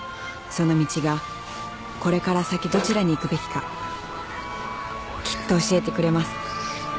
「その道がこれから先どちらに行くべきかきっと教えてくれます」